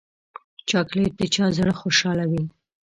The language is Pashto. چاکلېټ د چا زړه خوشحالوي.